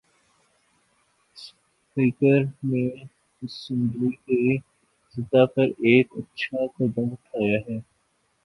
Speaker نے assembly کی سطح پر ایک اچھا قدم اٹھایا ہے۔